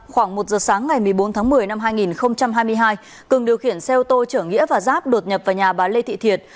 khoảng một giờ sáng ngày một mươi bốn tháng một mươi năm hai nghìn hai mươi hai cường điều khiển xe ô tô chở nghĩa và giáp đột nhập vào nhà bà lê thị thiệt